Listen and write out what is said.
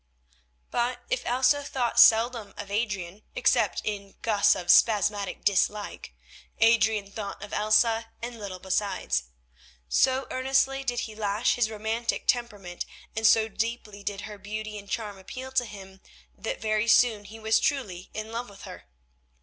But if Elsa thought seldom of Adrian, except in gusts of spasmodic dislike, Adrian thought of Elsa, and little besides. So earnestly did he lash his romantic temperament, and so deeply did her beauty and charm appeal to him, that very soon he was truly in love with her.